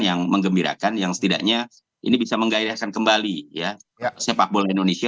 yang mengembirakan yang setidaknya ini bisa menggairahkan kembali ya sepak bola indonesia